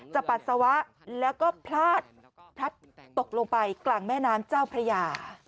ปัสสาวะแล้วก็พลาดพลัดตกลงไปกลางแม่น้ำเจ้าพระยา